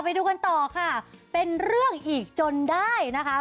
ไปดูกันต่อค่ะเป็นเรื่องอีกจนได้นะคะ